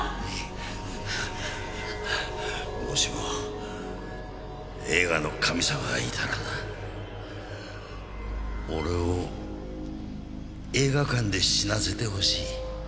もしも映画の神様がいたらな俺を映画館で死なせてほしい。